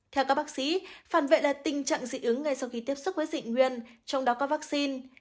theo các bác sĩ phản vệ là tình trạng dị ứng ngay sau khi tiếp xúc với dị nguyên trong đó có vaccine